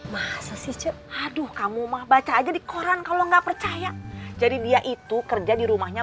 bahasa sih cep aduh kamu mah baca aja di koran kalau enggak percaya jadi dia itu kerja di rumahnya